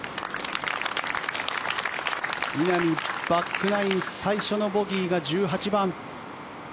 稲見、バックナイン最初のボギーが１８番。